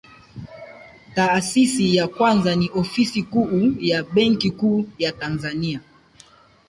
taasisi ya kwanza ni ofisi kuu ya benki kuu ya tanzania